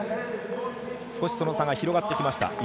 少し差が広がってきました。